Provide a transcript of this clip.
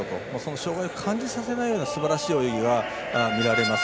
障がいを感じさせないようなすばらしい泳ぎが見られます。